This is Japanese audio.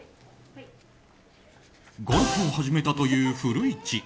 ゴルフを始めたという古市。